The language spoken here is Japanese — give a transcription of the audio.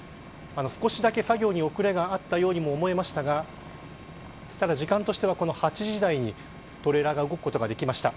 少しだけ作業に遅れがあったようにも思えましたがただ、時間としては８時台にトレーラーにのせることができました。